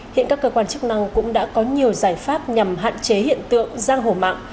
hiện các cơ quan chức năng cũng đã có nhiều giải pháp nhằm hạn chế hiện tượng giang hổ mạng